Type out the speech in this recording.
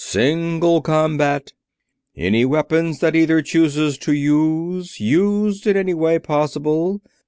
"Single combat. Any weapons that either chooses to use, used in any way possible.